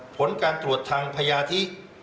ผลการตรวจทางพยาธิ